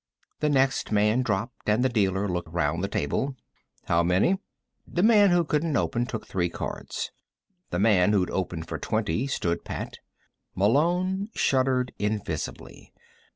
The next man dropped, and the dealer looked round the table. "How many?" The man who couldn't open took three cards. The man who'd opened for twenty stood pat. Malone shuddered invisibly.